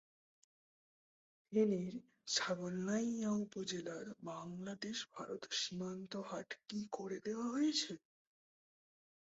ফেনীর ছাগলনাইয়া উপজেলার বাংলাদেশ-ভারত সীমান্তহাট কি করে দেওয়া হয়েছে?